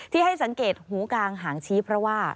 ที่ให้สังเกตหูกลางหางชี้เพราะว่า